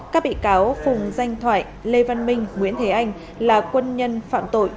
các bị cáo phùng danh thoại lê văn minh nguyễn thế anh là quân nhân phạm tội